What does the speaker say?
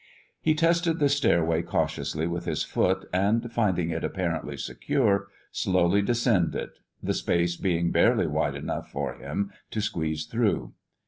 He tested the stairway cautiously with his foot, and, finding it apparently secure, slowly descended, the space being barely wide enough for him to squeeze through.